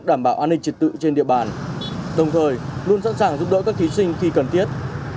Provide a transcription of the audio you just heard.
đảm bảo an ninh trật tự trên địa bàn đồng thời luôn sẵn sàng giúp đỡ các thí sinh khi cần thiết